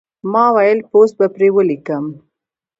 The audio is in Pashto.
ما وې پوسټ به پرې وليکم